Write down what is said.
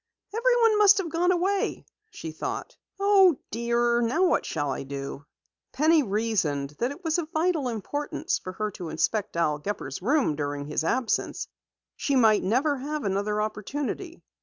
"Everyone must have gone away," she thought. "Oh, dear, now what shall I do?" Penny reasoned that it was of vital importance for her to inspect Al Gepper's room during his absence. She might never have another opportunity.